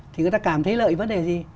thì người ta cảm thấy lợi vấn đề gì